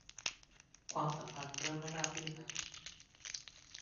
ความสัมพันธ์เริ่มไม่ราบรื่นนัก